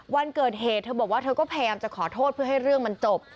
วันเกิดเหตุเธอบอกว่าเธอก็พยายามจะขอโทษเพื่อให้เรื่องมันจบ